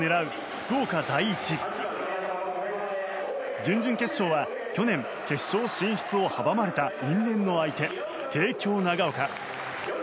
準々決勝は去年、決勝進出を阻まれた因縁の相手、帝京長岡。